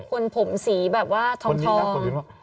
คนผมสีแบบว่าทองคนนี้หรอคนอื่นหรอ